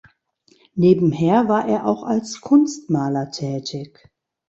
Nebenher war er auch als Kunstmaler tätig.